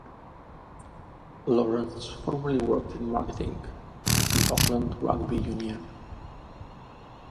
Lawrence formerly worked in marketing with the Auckland Rugby Union.